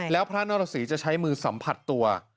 แล้วพระนรสีจะใช้มือสัมผัสตัว